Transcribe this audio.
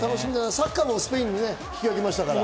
サッカーもスペインに引き分けましたから。